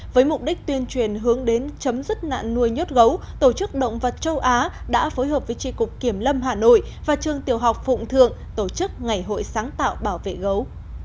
với mục đích tuyên truyền hướng đến chấm dứt nạn nuôi nhốt gấu tổ chức động vật châu á đã phối hợp với tri cục kiểm lâm hà nội và trường tiểu học phụng thượng tổ chức ngày hội sáng tạo bảo vệ gấu